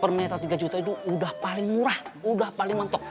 per meter tiga juta itu udah paling murah udah paling mentok